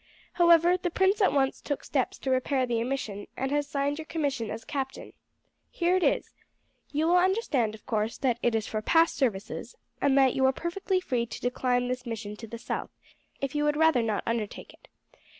However, the prince at once took steps to repair the omission, and has signed your commission as captain. Here it is. You will understand, of course, that it is for past services, and that you are perfectly free to decline this mission to the south if you would rather not undertake it.